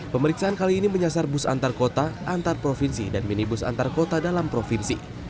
pemeriksaan kali ini menyasar bus antarkota antarprovinsi dan minibus antarkota dalam provinsi